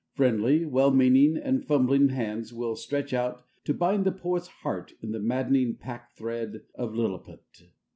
Friendly, well meaning, and fumbling hands will stretch out to bind the poet's heart in the maddening pack thread of Lilliput.